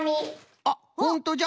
あっほんとじゃ。